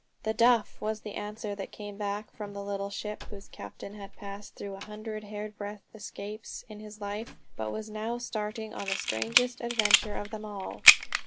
"The Duff," was the answer that came back from the little ship whose captain had passed through a hundred hairsbreadth escapes in his life but was now starting on the strangest adventure of them all.